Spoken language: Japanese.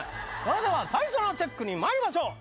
それでは最初のチェックに参りましょう。